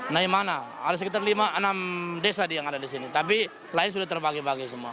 nah yang mana ada sekitar lima enam desa yang ada di sini tapi lain sudah terbagi bagi semua